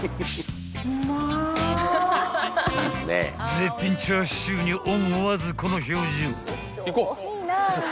［絶品チャーシューに思わずこの表情］